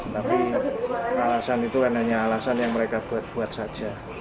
tapi alasan itu kan hanya alasan yang mereka buat buat saja